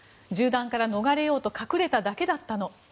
銃弾から逃れようと隠れただけだったの。